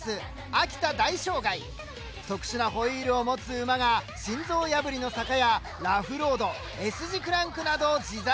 特殊なホイールを持つ馬が心臓やぶりの坂やラフロードＳ字クランクなどを自在に走り回る！